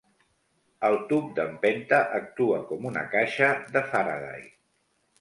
El tub d'empenta actua com una caixa de Faraday.